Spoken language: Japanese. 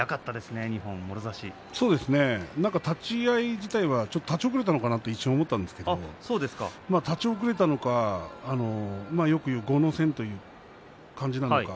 立ち合い自体は立ち遅れたかなと一瞬思ったんですが立ち遅れたのか、あるいはよくいう後の先という感じなのか